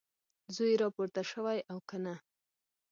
زوی یې راپورته شوی او که نه؟